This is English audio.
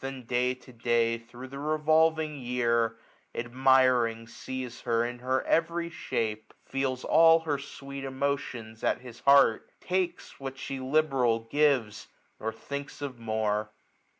And day to day, thro* the revolving year j i J05 Admiring, sees her in her every shape ; Fetls all her sweet emotions at his heart ; Takes what she liberal gives, nor thinks of more.